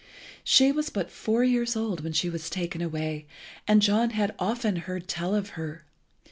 She was but four years old when she was taken away, and John had often heard tell of her.